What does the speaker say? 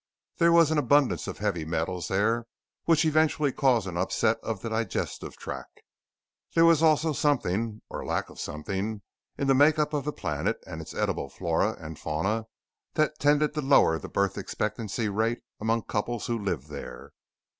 There was an abundance of heavy metals there which eventually caused an upset of the digestive tract. There was also something or lack of something in the make up of the planet and its edible flora and fauna that tended to lower the birth expectancy rate among couples who lived there.